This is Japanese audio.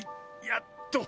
やっと！